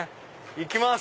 行きます！